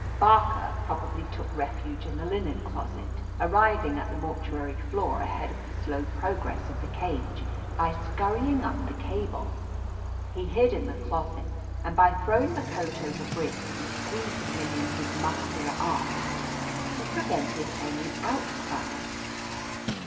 "Barker probably took refuge in the linen closet, arriving at the mortuary floor ahead of the slow progress of the cage, by scurrying up the cable. He hid in the closet, and by throw ing the coat over Briggs and squeezing him in his muscular arms, he prevented any outcry.